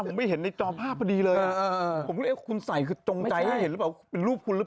หน้าหน้าหน้าหน้าหน้าหน้าหน้าหน้าหน้าหน้าหน้าหน้าหน้าหน้าหน้าหน้าหน้าหน้า